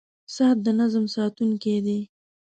• ساعت د نظم ساتونکی دی.